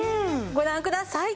ご覧ください！